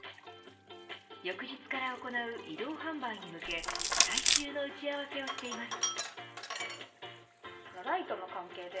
翌日から行う移動販売に向け最終の打ち合わせをしています。